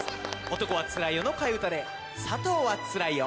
「男はつらいよ」の替え歌で「佐藤はつらいよ」